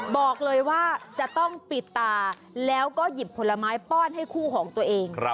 บอกเลยว่าจะต้องปิดตาแล้วก็หยิบผลไม้ป้อนให้คู่ของตัวเอง